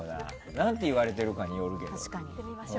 何て言われてるかによるけど。